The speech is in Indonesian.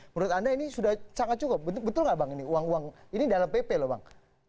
menurut anda ini sudah sangat cukup betul nggak bang ini uang uang ini dalam pp loh bang